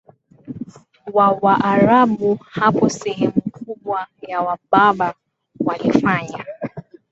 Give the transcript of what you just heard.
wa Waarabu Hapo sehemu kubwa ya Waberber walifanya